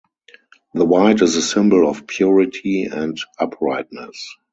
The white is a symbol of purity and uprightness.